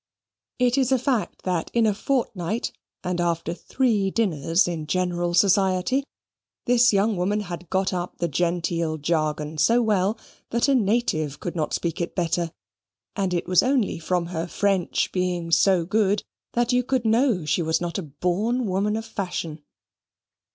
It is a fact, that in a fortnight, and after three dinners in general society, this young woman had got up the genteel jargon so well, that a native could not speak it better; and it was only from her French being so good, that you could know she was not a born woman of fashion.